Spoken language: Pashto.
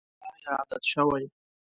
دا یې عادت شوی.